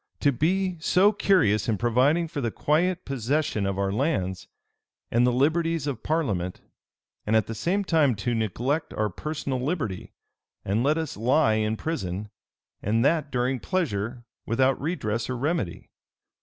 to be so curious in providing for the quiet possession of our lands, and the liberties of parliament; and at the same time to neglect our personal liberty, and let us lie in prison, and that during pleasure, without redress or remedy!